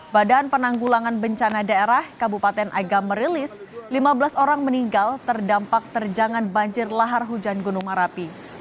badan penanggulangan bencana daerah kabupaten agam merilis lima belas orang meninggal terdampak terjangan banjir lahar hujan gunung merapi